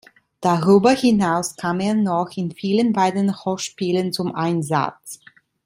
Darüber hinaus kam er noch in vielen weiteren Hörspielen zum Einsatz.